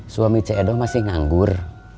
suami cedok masih nganggur